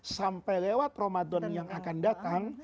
sampai lewat ramadan yang akan datang